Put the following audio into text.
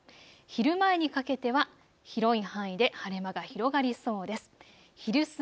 昼前にかけては広い範囲で晴れ間が広がりそうです。